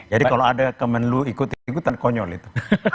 jadi kalau ada kemenlu ikut ikutan konyol itu